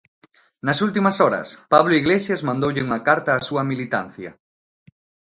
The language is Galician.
Nas últimas horas, Pablo Iglesias mandoulle unha carta á súa militancia.